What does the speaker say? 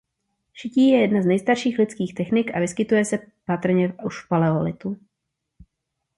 Šití je jedna z nejstarších lidských technik a vyskytuje se patrně už v paleolitu.